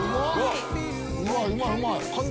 うまいうまい！